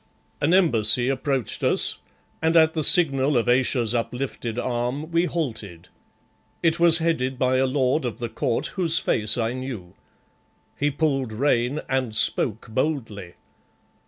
An embassy approached us, and at the signal of Ayesha's uplifted arm we halted. It was headed by a lord of the court whose face I knew. He pulled rein and spoke boldly.